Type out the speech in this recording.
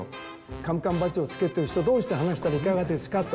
カムカムバッジをつけている人同士で話したらいかがですかと。